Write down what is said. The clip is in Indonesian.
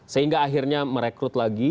sehingga akhirnya merekrut lagi